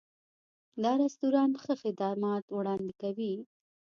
دا رستورانت ښه خدمات وړاندې کوي.